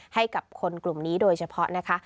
ให้กับคนกลุ่มนี้โดยเฉพาะนะคะ